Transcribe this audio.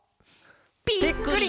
「ぴっくり！